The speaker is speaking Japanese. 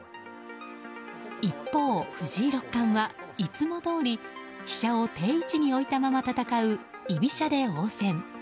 一方、藤井六冠はいつもどおり飛車を定位置に置いたまま戦う居飛車で応戦。